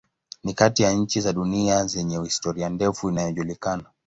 Ni kati ya nchi za dunia zenye historia ndefu inayojulikana.